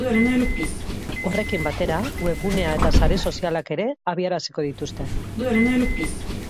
Horrekin batera webgunea eta sare sozialak ere abiaraziko dituzte.